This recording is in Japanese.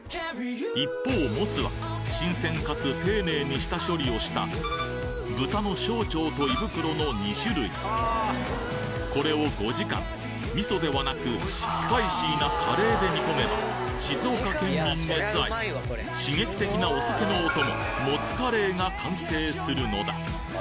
一方もつは新鮮かつ丁寧に下処理をした豚の小腸と胃袋の２種類これを５時間味噌ではなくスパイシーなカレーで煮込めば静岡県民熱愛刺激的なお酒のお供もつカレーが完成するのだ